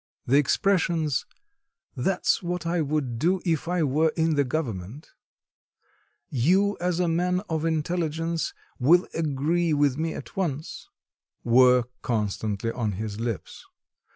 The expressions: "That's what I would do if I were in the government;" "you as a man of intelligence, will agree with me at once," were constantly on his lips.